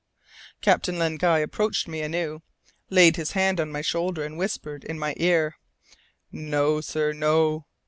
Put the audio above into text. Captain Len Guy approached me anew, laid his hand on my shoulder and whispered in my ear, "No, sir, no!